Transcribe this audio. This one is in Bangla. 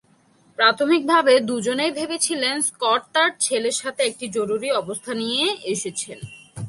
প্রাথমিকভাবে, দুজনেই ভেবেছিলেন স্কট তার ছেলের সাথে একটি জরুরী অবস্থা নিয়ে এসেছেন।